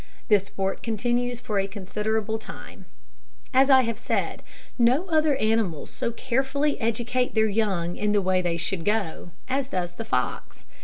This sport continues for a considerable time. As I have said, no other animals so carefully educate their young in the way they should go, as does the fox.